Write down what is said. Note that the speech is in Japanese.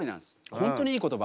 本当にいい言葉。